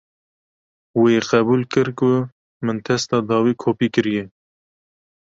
Wê qebûl kir ku min testa dawî kopî kiriye.